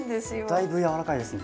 だいぶやわらかいですね。